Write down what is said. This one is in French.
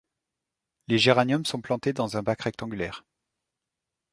Les géraniums sont plantés dans un bac rectangulaire.